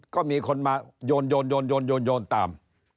ก็มีคนมาโยนตาม